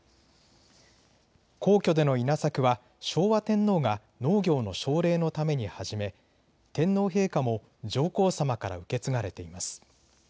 皇居での稲作は昭和天皇が農業の奨励のために始め天皇陛下も上皇さまから受け継がれています。